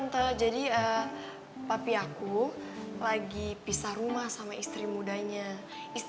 melupakan si teh manis